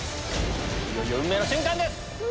いよいよ運命の瞬間です！